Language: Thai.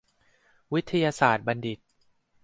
วิทยาศาสตรบัณฑิต